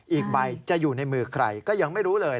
อีกใบจะอยู่ในมือใครก็ยังไม่รู้เลย